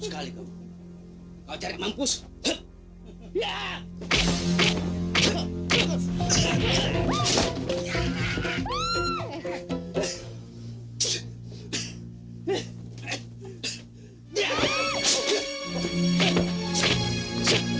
kesembuh sekali kau